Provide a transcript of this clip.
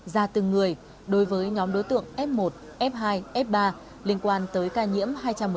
ra từng người đối với nhóm đối tượng f một f hai f ba liên quan tới ca nhiễm hai trăm một mươi chín